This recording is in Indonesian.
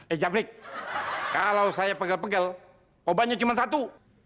eh jamrik kalau saya pegel pegel obatnya cuma satu